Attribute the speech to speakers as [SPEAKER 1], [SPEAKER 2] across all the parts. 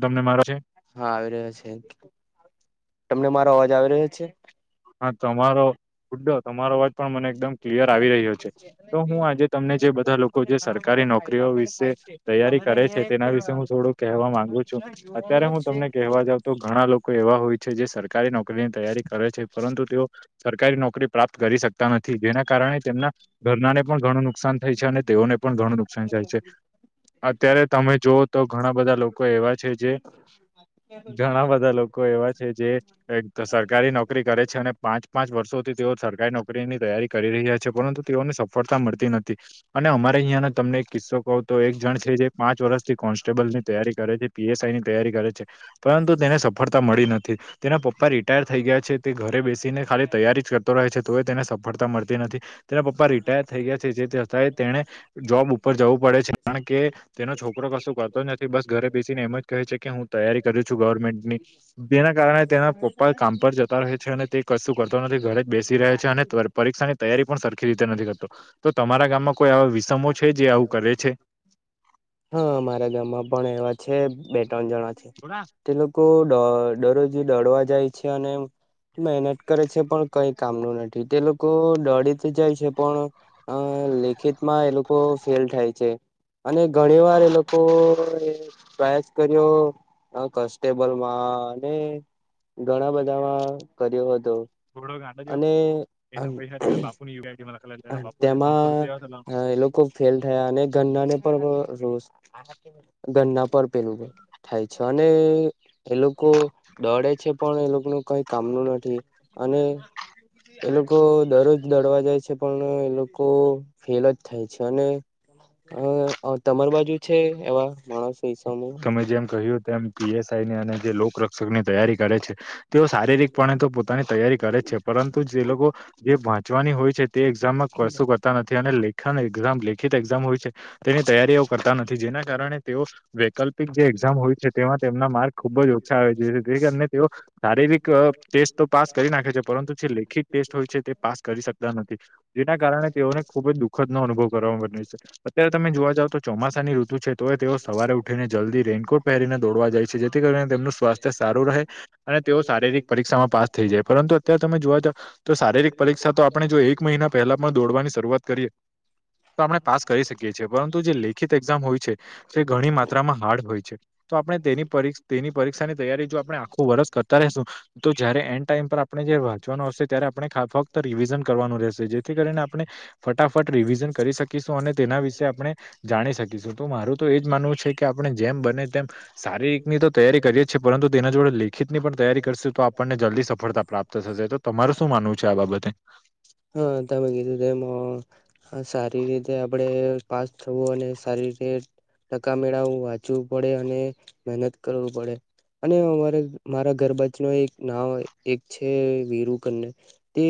[SPEAKER 1] તમને મારા છે.
[SPEAKER 2] હા આવી રહ્યો છે તમને મારો અવાજ આવી રહ્યો છે.
[SPEAKER 1] હા તમારોુ્ડો તમારો વા પણ મને એકદમ ક્લિયર આવી રહ્યો છે. તો હું આજે તમને જે બધા લોકો જે સરકારી નોકરીઓ વિશે તૈયારી કરે છે તેના વિશે હું થોડુંક કહેવા માંગુ છું અત્યારે હું તમને કહેવા જાઉં તો ઘણા લોકો એવા હોય છે જે સરકારી નોકરીની તૈયારી કરે છે પરંતુ તેઓ સરકારી નોકરી પ્રાપ્ત કરી શકતા નથી જેના કારણે તેમના ઘરનાને પણ ઘણું ન નુકસાન થાય છે અને તેઓને પણ ઘણું નુકસાન થાય છે. અત્યારે તમે જોુઓ તો ઘણા બધા લોકો એવા છે જે
[SPEAKER 2] [inaudible]
[SPEAKER 1] ઘણા બધા લોકો એવા છે જે સરકારી નોકરી કરે છે, અને પાંચ પાંચ વર્ષોથી તેઓ સરકારી નોકરીની તૈયારી કરી રહ્યા છે પરંતુ તેઓને સફળતા મળતી નથી, અને અમારે અહિયાં તમને કિસ્સકો તો એક જણ છે જે પાંચ વર્ષથી કોન્સ્ટેબલ ની તૈયારી કરે છે, પી એસ આઈ ની તૈયારી કરે છે પરંતુ તેને સફળતા મળી નથી, તેના પપ્પા રિટાયર થઈ ગયા છે તે ઘરે બેસીને ખાલી તૈયારી જ કરતો રહે છે, તો એ તેને સફળતા મળતી નથી. તેના પપ્પા રિટાયર થઈ ગયા છે, જેતાંય તેને જોબ ઉપર જવું પડે છે કારણ કે તેનો છોકરો કશું કરતો જ નથી, બસ ઘરે બેસીને એમ જ કહે છે કે હું તૈયારી કરું છું ગવર્મેન્ટની જેના કારણે તેના પપ્પા કામ પર જત રહે છે, અને તે કશું કરતો નથી ઘરે જ બેસી રહે છે, અને પરીક્ષાની તૈયારી પણ સર જેવી રીતે નથી કરતો તો તમારા ગામમાં કોઈ એવા વિષમો છે જે આવું કરે છે.
[SPEAKER 2] હા મારા ગામમાં પણ એવા છે, બે ત્રણ જણા છે
[SPEAKER 1] ઘોડા
[SPEAKER 2] તે લોકો દો દરરોજ દડવા જાય છે, અને મહેનત કરે છે પણ કઈ કામનું નથી, તે લોકો દોડી જાય છે, પણ અ લેખિતમાં એ લોકો ફેલ થાય છે. અને ઘણી વાર એ લોકો પ્રયાસ કર્યો, કોન્સ્ટેબલમાં ને ઘણા બધામાં કર્યો હતો.
[SPEAKER 1] ઘોડો [unintelligible]
[SPEAKER 2] અને
[SPEAKER 1] એને પૈસા એને બાપુ ની યોગાય
[SPEAKER 2] તેમાં એ લોકો ફેલ થયા અને ગન્ના ને પણ રોષ ગન્ના પર પેલું થાય છે અને એ લોકો દોડે છે, પણ એ લોકો ન કઈ કામનું નથી. અને
[SPEAKER 1] [inaudible]
[SPEAKER 2] એ લોકો દરરોજ દોડવા જાય છે. પણ એ લોકો ફેલ જ થાય છે, અને હ તમારી બાજુ છે, એવા માણસો એસા
[SPEAKER 1] તમે જેમ કહ્યું તેમ પી એસ આઈ ની અને જે લોકરક્ષક ની તૈયારી કરે છે તેઓ શારીરિકપણે તો પોતાની તૈયારી કરે છે, પરંતુ જે લોકો જે વાંચવાની હોય છે, તે એક્ઝામમાં કશું કર નથી અને લેખન એક્ઝામ લેખિત એક્ઝામ હોય છે, તેની તૈયારીઓ કરતા નથી જેના કારણે તેઓ વૈકલ્પિક જે એક્ઝામ હોય છે, તેમાં તેમના માર્ક ખુબ જ ઓછા આવે છે જે કારણે તેઓ શારીરિક ટેસ્ટ તો પાસ કરી નાખે છે, પરંતુ જે લેખિત ટેસ્ટ હોય છે તે પાસ કરી શકતા નથી. જેના કારણે તેઓને ખુબ જ દુઃખદ નો અનુભવ કરવા બને છે. અત્યારે તમે જોવા જાવ તો ચોમાસાની ઋતુ છે તોવે તેઓ સવારે ઉઠ ને જલ્દી રેનકોટ પહેરીને દોડવા જાય છે, જે કરીને તેમનું સ્વાસ્થ્ય સારું રહે, અને તેઓ શારીરિક પરીક્ષામાં પાસ થઈ જાય, પરંતુ અત્યારે તમે જોવા જ તો શારીરિક પરીક્ષા તો આપણે જો એક મહિના પહેલા પણ દોડવાની શરૂઆત કરીએ તો આપણે પાસ કરી શકીએ છીએ, પરંતુ જે લેખિત એક્ઝામ હોય છે તે ઘણી મા માંત્રામા હાર્ડ હોય છે, તો આપણે તેની તેની પરીક્ષાની તૈયારી જો આપણે આખું વર્ષ કરતા રહીશું. તો જયારે એન્ડ ટાઈમ પર આપણે જ વાંચવાનો આવશે ત્યારે આપણે ફક્ત રિવિઝન કરવાનું રહેશે, જેથી કરીને આપણે ફટાફટ રિવિઝન કરી શકીશું, અને તેના વિશે આપણે જાણી શકીશું, તો મારું તો એજ માનવું છે કે આપણે જેમ બને તેમ શારીરિક ની તો તૈયારી કરીએ જ છે, પરંતુ તેના જોડે લેખિત ની પણ તૈયારી કરશે તો આપણને જલ્દી સફળતા પ્રાપ્ત થશે તો તમારે શું માનવું છે આ બાબતે?
[SPEAKER 2] હા તમે ગ રમ [unintelligible] હા સારી રીતે આપડે પાસ થવું અને સારી રીતે ટકા મેળવું વાંચવું પડે અને મહેનત કરવું પડે. અને અરે મારા ઘર બાજુ ન એક નામ એક છે વિરુ કરી તે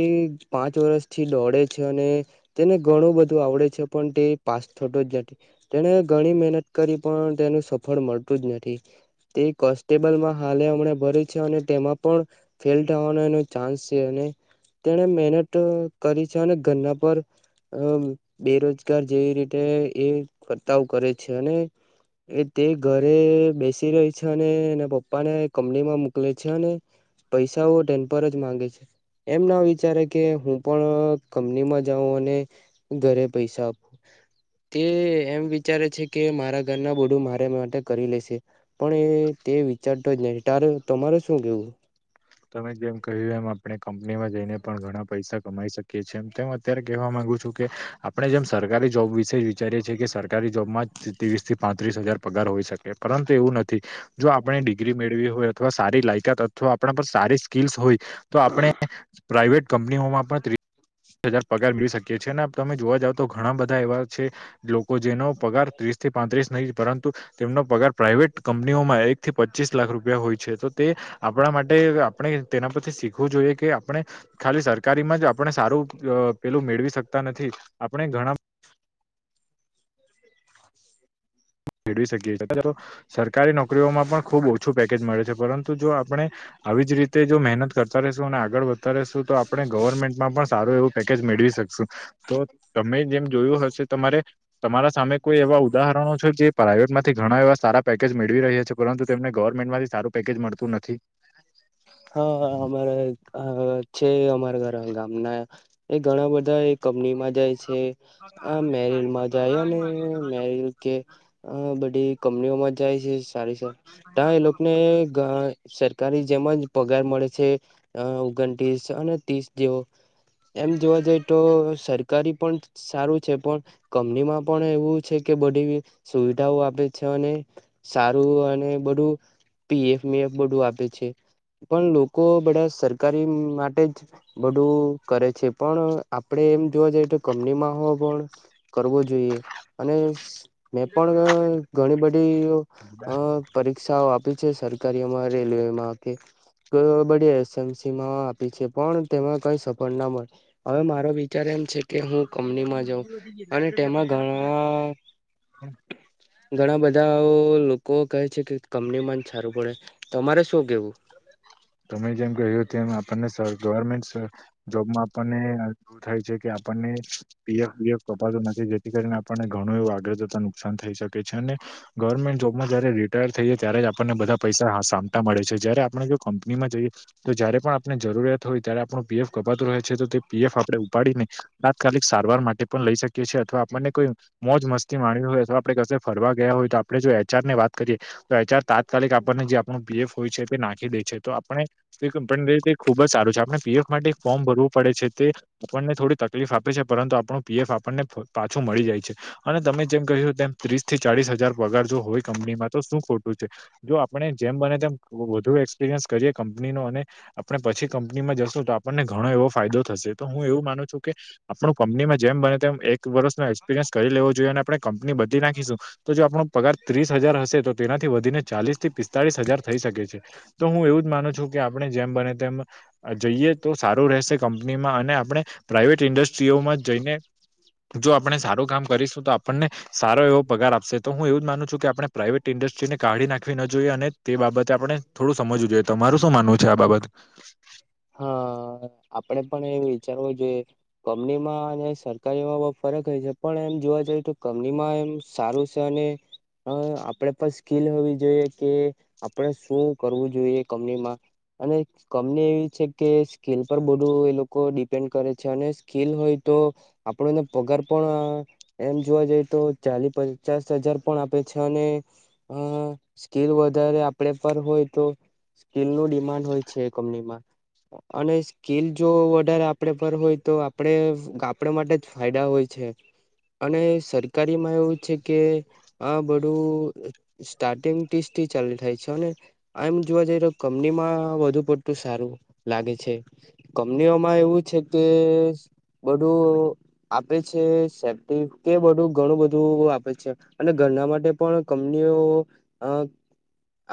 [SPEAKER 2] પાંચ વર્ષ થી દોડે છે અને તેને ઘણું બધું આવડે છે, પણ તે પાસ થતો જ નથ તેને ઘણી મહેનત કરી પણ તેનું સફળ મળતું જ નથી તે કોન્સ્ટેબલમાં હાલે હમણા ભર્યું છે અને તેમાં પણ ફેલ થવાનો એનો ચાન્સ છે અને તેણે મહેનત કરી છે અને ઘરના પર અ બેરોજગાર જેવી રીતે એ કરતાઓ કરે છે અને એ તે ઘરે બેસી રહી છે અને એના પપ્પા ને કંપનીમાં મોકલે છે પૈસાઓ ટેન પર જ માંગે છે એમ ના વિચારે કે હું પણ કંપનીમાં જાઉં અને ઘરે પૈસા આપો તે એમ વિચારે છે કે મારા ઘરના બોડું મારે માટે કરી લેશે પણ એ તે વિચારતો જ નહી તારે તમારે શું કેવું
[SPEAKER 1] તમે જેમ કહ્યું એમ આપણે કંપનીમાં જઈને પણ ઘણા પૈસા કમાઈ શકીએ છીએ એમ તેમ અત્યારે કહેવા માગુ છું કે આપણે જેમ સરકારી જોબ વિશે જ વિચારીએ છીએ કે સરકારી જોબમાં જ ત્રીસ થી પાંત્રીસ હજાર પગાર હોઈ શકે પરંતુ એવું નથી જો આપણે ડિગ્રી મેળવી હોય અથવા સારી લાયકાત અથવા આપ પર સારી સ્કીલસ હોય તો આપણે પ્રાઈવેટ કંપનીઓમાં પણ હજાર પગાર મેી શકીએ છીએ ને તમે જોવા જાવ તો ઘણા બધા એવા છે લોકો જેનો પગાર ત્રીસ થી પાંત્રીસ નહી પરંતુ તેમનો પગાર પ્રાાઈવેટ કંપનીઓમાં એક થી પચીસ લાખ રૂપિયા હોય છે તો તે આપણા માટે- - આપણે તેના પરછથી શીખવું જોઈએ કે આપણે- - ખાલી સરકારીમાં જ આપણે સારું પેલું મેળવી શકતા નથી આપણે ઘણા- - મેળવી શકીએ છીએ તો સરકારી નોકરીઓમાં પણ ખૂબ ઓછું પેકેજ મળે છે પરંતુ જો આપણે- - આવી જ રીતે જો મહેનત કરતા રશું અને આગળ વધતા રશું તો આપણે ગવર્મેન્ટમાં પણ સારું એવું- - પેકેજ મેળવી શકશું. તો તમે જેમ જોયું હશે તમારે તમારા સામે કોઈ એવા ઉદાહરણો છે જે- - પ્રાઇવેટમાંથી ઘણા એવા સારા પેકેજ મેળવી રહ્યા છે પરંતુ તેમને ગવર્મેન્ટમાંથી સારું પેકેજ મળતું નથી.
[SPEAKER 2] હા અમારે છે અમારા ગામના- - એ ઘણા બધા એ કંપની માં જાય- - છે આ મેરિલ માં જાય અને મેરિલ કે- - અ બધી કંપનીઓમાં જાય છે સારી સારી ત્યા એ લોકોને- - સરકારી જેમ જ પગાર મળે છે ઓગણ ત્રીસ અને ત્રીસ જેવો- - એમ જોવા જઈ તો સરકારી પણ સારું છે પણ- - કંપનીમાં પણ એવું છે કે બધી સુવિધાઓ આપે છે અને- - સારું અને બધું પીએફ મીએફ બધું આપે છે. પણ લોકો બધા સરકારી માટે જ બધું કરે છે. પણ આપડે એમ જોવા જઈએ તો કમનીમાં હો પણ- - કરવો જોઈએ અને મેં પણ ઘણી બધી- - પરીક્ષાઓ આપી છે સરકારી એમાં રેલવેમાં કે- - બડી એસએમસીમાં આપી છે પણ તેમાં કઈ સફળ ના મળે- - હવે મારો વિચાર એમ છે- - કે હું કંપનીમાં જાઉં અને તેમાં ઘણા- - ઘણા બધા- - બધા લોકો કહે છે કે કમની માંન સારું પડે તમારે શું કેવું?
[SPEAKER 1] તમે જેમ કહ્યું તેમ એમ આપણને ગવર્મેન્ટ- - જોબમાં આપણને એવું થાય છે કે આપણને પીએફએફ કપાતું નથી જેથી કરીને- - ઘણું એવું આગળ જતા નુકસાન થઈ શકે છે અને ગવર્મેન્ટ જોબમાં જારે રિટાયર- - થઈએ ત્યારે જ આપણને બધા પૈસા સામતાા મળે છે જયારે આપણે જો કંપનીમાં જઈએ- - તો જયારે પણ આપને જરૂરિયાત હોય ત્યારે આપણું પીએફ કપાતું રહે છે તો તે પીએફ આપણે ઉપાડીને- - તાત્કાલિક સારવાર માટે પણ લઈ શકીએ છીએ અથવા આપણને કોઈ- - મોજ મસ્તી માણવી હોય અથવા આપણે કસે ફરવા ગયા હોય તો આપણે જો એચઆર ની વાત કરી અચાર તાત્કાલિક આપણને જે આપણું પીએફ હોય છે તે નાખી દે છે તો આપણે- - તે પડવેલ ખુબ જ સારું છે આપણે પીએફ માટે એક ફોર્મ ભરવું પડે છે તે- - આપણને થોડી તકલીફ આપે છે પરંતુ આપણું પીએફ આપણને પાછું મળી જાય છે. અને તમે જેમ કહ્યું તેમ ત્રીસ થી ચાલીસ હજાર પગાર જો હોય કંપનીમાં તો શું ખોટું? જો આપણે જેમ બને તેમ વધુ એક્સપિરિયન્સ કરીએ કંપનીનો અને- - આપણે પછી કંપનીમાં જશું તો આપણને ઘણો એવો ફાયદો થશે તો હું એવું માનું છું કે- - આપણું કંપનીમાં જેમ બને તેમ એક વર્ષનો એક્સપિરિયન્સ કરી લેવો જોઈએ અને આપણે કંપની બઘી નાખીશું. તો જો આપણો પગાર ત્રીસ હજાર હશે તો તેનાથી વધીને ચાલીસ થી પિસ્તાળીસ હજાર થઈ શકે છે. તો હું એવું જ માનું છું કે આપણે જેમ બને તેમ- - જઈએ તો સારું રહેશે કંપનીમાં અને આપણે પ્રાાઈવેટ ઇન્ડસ્ટ્રીઓમાં જઈને- - જો આપણે સારું કામ કરીશું તો આપણને- - સારો એવો પગાર આપશે તો હું એવું માનું છું આપણે પ્રાઇવેટ ઇન્ડસ્ટ્રી ને- - કાઢી નાખવી ન જોઈએ અને તે બાબતે આપણે થોડું સમજવું જોઈએ તમારું શું માનવું છે આ બાબત?
[SPEAKER 2] હા. આપડે પણ એ વિચારવું જોઈએ- - કંપનીમાં અને સરકારીમાં બહુ ફરક હોય છે પણ એમ જોવા જઈએ તો કંપનીમાં એમ- - સારું છે ને- - હ આપડે પણ સ્કીલ હોવી જોઈએ કે આપણેે શું કરવું જોઈએ કમનીમાં- - અને કમની એવી છે કે સ્કીલ પર બધું એ લોકો ડિપેન્ડ કરે છે અને સ્કીલ હોય તો આપણોને પગાર પણ એમ જોવા જઈએ તો ચાલી પચાસ હજાર પણ આપે છે અને હ સ્કીલ વધારે આપડે પર હોય તો સ્કીલ નું ડિમાન્ડ હોય છે એ કંપનીમાં અને સ્કીલ જો ઓડરે આપડે પર હોય તો આપણે આપડા માટે જ ફાયદા હોય છે. અને સરકારી માં એવું છે કે આ બરુ સ્ટાર્ટિંગ ટીસ્ટી ચાલી થાય છે અને એમ જોવા જઈ તો કંપનીમાં વધુ પડતું સારું લાગે છે. કંમનીઓમાં એવું છે કે બધું. આપે છે સેફ્ટી કે બધું ઘણું બધું આપે છે. અને ઘરના માટે પણ કંપનીઓ અ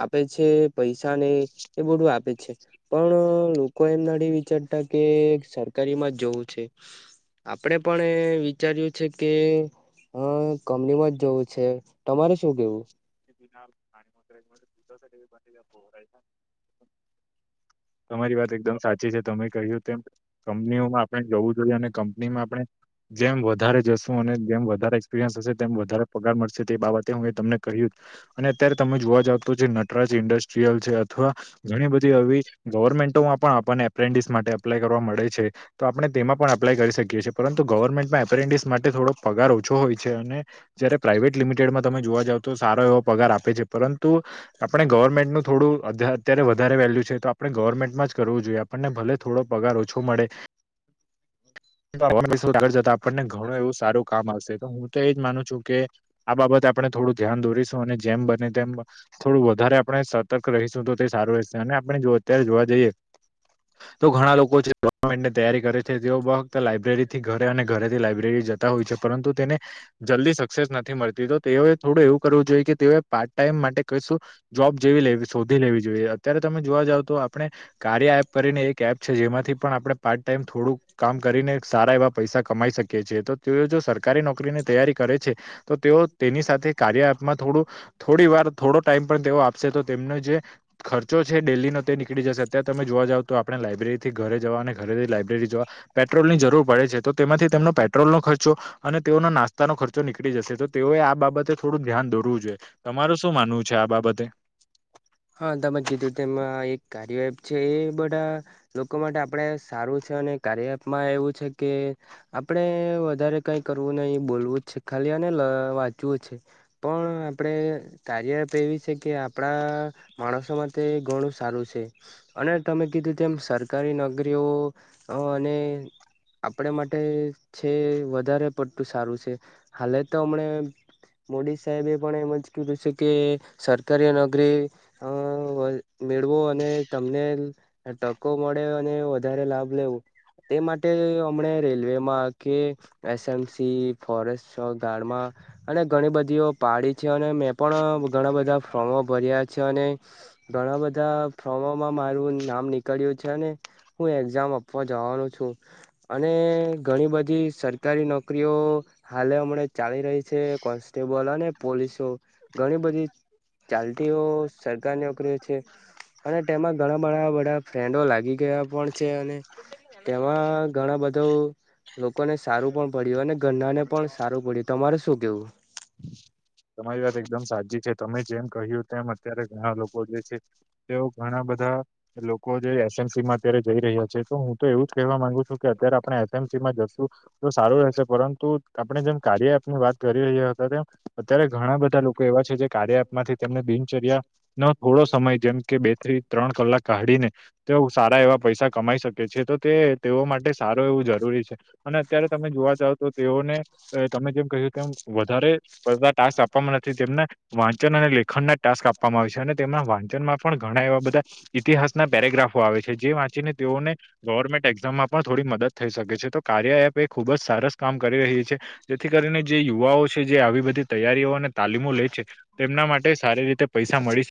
[SPEAKER 2] આપે છે. પૈસા ને એ બધું આપે છે પણ લોકો એમના વિચાર તા કે સરકારી માં જવું છે. આપડે પણ વિચાર્યું છે કે હ કમનીમાં જ જવું છે તમારે શું કેવું.
[SPEAKER 1] બના ખણી વગ ભજ બલા ભરા છે [inaudible] તમારી વાત એકદમ સાચી છે તમે કહ્યું તેમ કંપનીઓમાં આપણે જવું જોઈએ અને કંપનીમાં આપણે જેમ વધારે જશું અને જેમ વધારે એક્સપિરિયન્સ હશે તેમ વધારે પગાર મળશે તે બાબતે હું એ તમને કહ્યું અને અત્યારે તમે જોવા જાવ તો જે નટરાજ ઇન્ડસ્ટ્રીયલ છે અથવા ઘણી બધી હવી ગવર્મેન્ટોમાં પણ આપણને એપ્રેન્ડિસ માટે એપ્લાય કરવા મળે છે. તો આપણે તેમાં પણ એપ્લાય કરી શકીએ છીએ પરંતુ ગવર્મેન્ટમાં એપ્રેન્ડિસ માટે થોડો પગાર ઓછો હોય છે અને જયારે પ્રાઈવેટ લિમિટેડમાં તમે જોવા જાવ તો સારો એવો પગાર આપે છે પરંતુ આપણે ગવર્મેન્ટનું થોડું અત્યારે વધારે વેલ્યુ છે તો આપણે ગવર્મેન્ટમાં જ કરવું જોઈએ. આપણને ભલે થોડો પગાર ઓછો મળે. આગળ જતા આપણને ઘણું એવું સારું કામ આવશે તો હું તો એજ માનું છું કે આ બાબતે આપણે થોડું ધ્યાન દોરીશું અને જેમ બને તેમ થોડું વધારે આપણે સતર્ક રહીશું તો તે સારું રહેશે અને આપણે જો અત્યારે જોવા જઈએ. તો ઘણા લોકો છે ગવર્મેન્ટની તૈયારી કરે છે તેઓ બ ફક્ત લાાઈબ્રેરી થી ઘરે અને ઘરેથી લાાયબ્રેરી જ હોય છે પરંતુ તેને જલ્દી સક્સેસ નથી મળતી તો તેઓએ થોડું એવું કરવું જોઈએ કે તેએ પાર્ટ ટાઈમ માટે કશું, જોબ જેવી લેવી શોધી લેવી જોઈએ, અત્યારે તમે જોવા જાવ તો આપણે કાર્ય એપ કરીને એક એપ છે, જેમાંથી પણ આપણે પાર્ટ ટાઈમ થોડુંક કામ કરીને સારા એવા પૈસા કમાઈ શકીએ છીએ, તો તેઓ જો સરકારી નોકરીની તૈયારી કરે છે તો તેઓ તેની સાથે કાર્ય આપમાં થોડું થોડી વાર થોડો ટાઈમ પણ તેઓ આપશે તો તેમને જે ખર્ચો છે ડેલીનો તે નીકળી જશે, અત્યારે તમે જોવા જાવ તો આપણે લાયબ્રેરીથી ઘરે જવા અને ઘરેથી લઇબ્રેરી જવા પેટ્રોલની જરૂર પડે છે, તો તેમાંથી તેમનો પેટ્રોલનો ખર્ચો અને તેઓનો નાસ્તાનો ખર્ચો નીકળી જશે, તો તેઓએ આ બાબતે થોડું ધ્યાન દોરવું જોઈએ તમારે શું માનવું છે, આ બાબતે?
[SPEAKER 2] હા, તમે જીધું તેમાં એક કાર્ય એપ છે, એ બધા લોકો માટે આપડે સારું છે, અને કાર્યમાં એવું છે કે આપડે વધારે કઈ કરવું નહી બોલવું જ છે, ખાલી આને વાંચવું જ છે. પણ આપડે તારી આપત એવી છે, કે આપડા માણસો માટે ઘણું સારું છે, અને તમે કીધું તેમ સરકારી નોકરીઓ અને આપણે માટે છે વધારે પડતું સારું છે, હાલે તો હમણે મોદી સાહેબ એ પણ એમજ કધું છે, કે સરકારી નોકરી અ મેળવો અને તમને ટકો મળે અને વધારે લાભ લેવો તે માટે હમણા રેલવેમાં કે એસએમસી ફોરેસ્ટ ગાર્ડમાં અને ઘણી બધીઓ પાડી છે અને મેં પણ ઘણા બધા ફોમો ભર્યા છે, અને ઘણા બધા બધા ફોર્મોમાં મારું નામ નીકળ્યું છે, ને હું એક્ઝામ આપવા જવાનું છું અને ઘણી બધી સરકારી નોકરીઓ હાલે હમણાં ચાલી રહી છે, કોન્સ્ટેબલ અને પોલીસો ઘણી બધી ચાલતીઓ સરકાર નોકરીઓ છે, અને તેમાં ઘણા બ બધા ફ્રેન્ડો લાગી ગયા પણ છે, અને તેમાં ઘણા બધુ, લોકોને સારું પણ પડ્યું અને ઘરના ને પણ સારું પડ્યું તમારે શું કેવું?
[SPEAKER 1] તમારી વાત એકદમ સાચી છે, તમે જેમ કહ્યું તેમ અત્યારે ઘણા લોકો જે છે, તેઓ ઘણા બધા લોકો જે એસએમસી માં અત્યારે જઈ રહ્યા છે, તો હું તો એવું જ કહેવા માંગુ છું કે અત્યારે આપણે એફ એમસી માં જશું તો સારું રહેશે પરંતુ આપણે જેમ કાર્ય આપની વાત કરી રહ્યા હતા તેમ અત્યારે ઘણા બધા લોકો એવા છે, જે કાર્ય આપમાંથી તેમને બિનચર્યા નો થોડો સમય જેમ કે બે થી ત્રણ કલાક કાઢીને તેઓ સારા એવા પૈસા કમાઈ શકે છે, તો તે તેઓ માટે સારું એવું જરૂરી છે. અને અત્યારે તમે જોવા જાવ તો તેઓને તમે જેમ કહ્યું તેમ વધારે બધા ટાસ્ક આપવામાં નથી જેમને વાંચન અને લેખન ના ટાસ્ક આપવામાં આવ છે, અને તેમના વાંચનમાં પણ ઘણા એવા બધા ઇતિહાસના પેરાગ્રાફો આવે છે, જે વાંચીને તેઓને ગવર્મેન્ટ એક્ઝામમાં પણ થોડી મદદ થઈ શકે છે, તો કાર્ય એપ એ ખુબ જ સરસ કામ કરી રહી છે. જેથી કરીને જે યુવાઓ છે જે આવી બધી તૈયારીઓ અને તાલીમો લે છે, તેમના માટે સારી રીતે પૈસા મળી